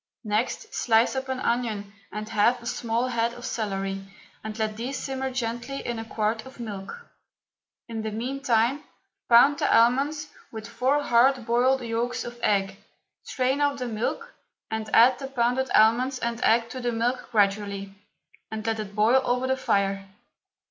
Next, slice up an onion and half a small head of celery, and let these simmer gently in a quart of milk. In the meantime pound the almonds with four hard boiled yolks of egg, strain off the milk and add the pounded almonds and egg to the milk gradually, and let it boil over the fire.